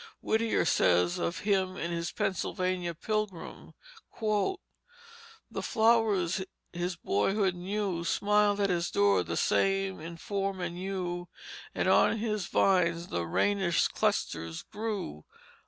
Whittier says of him in his Pennsylvania Pilgrim: "The flowers his boyhood knew Smiled at his door, the same in form and hue, And on his vines the Rhenish clusters grew."